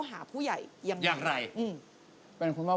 ฟงเหมือนพี่ไหมที่แบบว่า